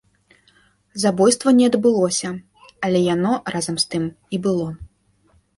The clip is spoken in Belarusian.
Забойства не адбылося, але яно, разам з тым, і было.